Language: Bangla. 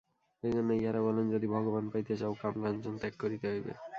এইজন্য ইঁহারা বলেন, যদি ভগবান পাইতে চাও, কামকাঞ্চন ত্যাগ করিতে হইবে।